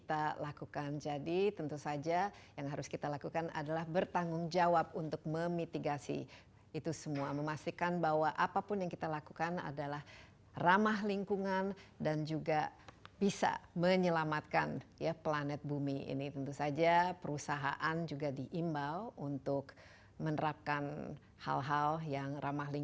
dan juga untuk mengembangkan kemampuan ekonomi